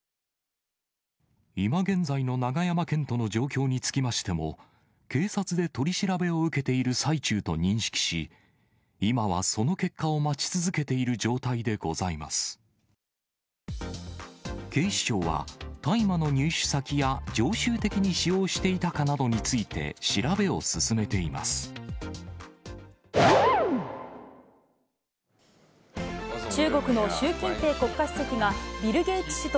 今現在の永山絢斗の状況につきましても警察で取り調べを受けている最中と認識し、今はその結果を待ち続けている状態でござい警視庁は、大麻の入手先や常習的に使用していたかなどについて、調べを進め世界初！